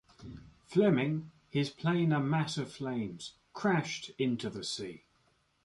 Fleming, his plane a mass of flames, crashed into the sea.